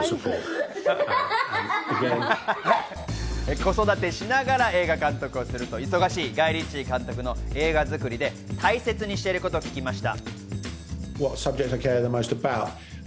子育てしながら映画監督をする忙しいガイ・リッチー監督の映画作りで大切にしていることを聞きました。